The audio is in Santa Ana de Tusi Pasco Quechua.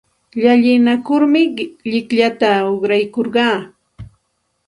Llalinakurmi llikllata uqraykurqaa.